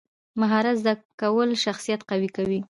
مهارت زده کول شخصیت قوي کوي.